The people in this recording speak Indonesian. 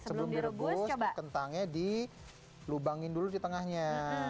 sebelum direbus kentangnya dilubangin dulu di tengahnya